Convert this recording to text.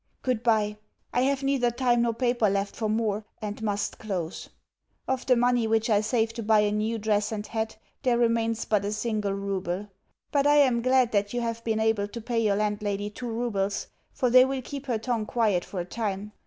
Goodbye. I have neither time nor paper left for more, and must close. Of the money which I saved to buy a new dress and hat, there remains but a single rouble; but, I am glad that you have been able to pay your landlady two roubles, for they will keep her tongue quiet for a time.